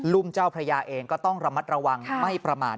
ุ่มเจ้าพระยาเองก็ต้องระมัดระวังไม่ประมาท